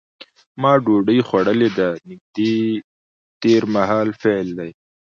ما ډوډۍ خوړلې ده نږدې تېر مهال فعل دی.